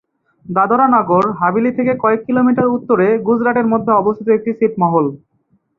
দাদরা নগর হাভেলি থেকে কয়েক কিলোমিটার উত্তরে গুজরাটের মধ্যে অবস্থিত একটি ছিটমহল।